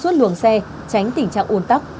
suốt luồng xe tránh tình trạng ôn tắc